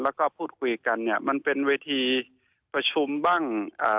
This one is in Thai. และพูดคุยกันมันเป็นวิธีประชุมบ้าง